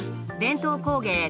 伝統工芸